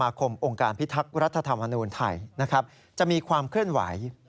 คมองค์การพิทักษ์รัฐธรรมนูญไทยนะครับจะมีความเคลื่อนไหว